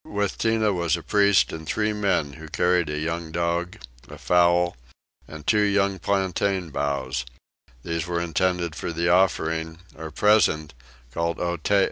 With Tinah was a priest and three men, who carried a young dog, a fowl, and two young plantain boughs: these were intended for the offering, or present, called Otee.